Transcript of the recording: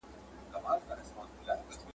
که هر څو پښتانه گرمه په کارمل ږدي.